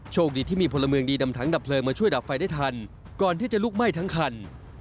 คดีที่มีพลเมืองดีนำถังดับเพลิงมาช่วยดับไฟได้ทันก่อนที่จะลุกไหม้ทั้งคัน